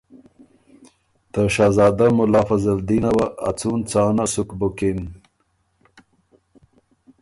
ته شهزاده مُلا فضل دین وه ا څُون څانه سُک بُکِن